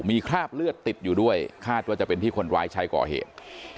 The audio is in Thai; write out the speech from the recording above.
มีคราบเลือดติดอยู่ด้วยคาดว่าจะเป็นที่คนร้ายใช้ก่อเหตุ